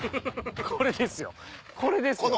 これですよこれですよ。